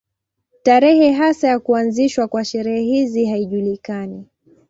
Tarehe hasa ya kuanzishwa kwa sherehe hizi haijulikani.